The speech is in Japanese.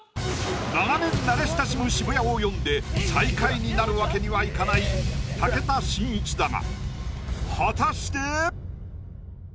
長年慣れ親しむ渋谷を詠んで最下位になるわけにはいかない武田真一だが果たして。